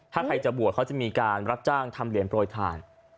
ถ้าใครจะบวชเขาจะมีการรับจ้างทำเหรียญโปรยทาน